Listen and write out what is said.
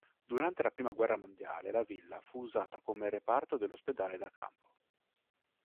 Durante la prima guerra mondiale la villa fu usata come reparto dell'ospedale da campo.